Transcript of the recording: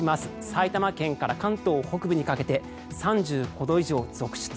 埼玉県から関東北部にかけて３５度以上続出。